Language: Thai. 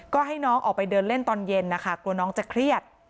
ก็ให้น้องออกไปเดินเล่นตอนเย็นนะคะกลัวน้องจะเครียด